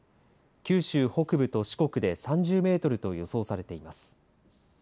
九州北部と四国で３０メートルと予想されています。